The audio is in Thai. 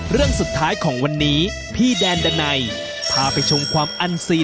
เรื่องสุดท้ายของวันนี้พี่แดนดันัยพาไปชมความอันซีน